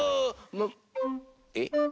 えっ？